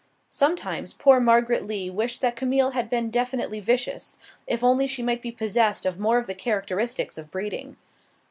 Sometimes poor Margaret Lee wished that Camille had been definitely vicious, if only she might be possessed of more of the characteristics of breeding.